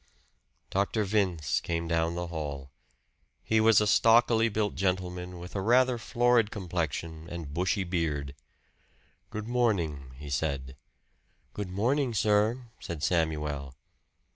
Dr. Vince came down the hall. He was a stockily built gentleman with a rather florid complexion and bushy beard. "Good morning," he said. "Good morning, sir," said Samuel.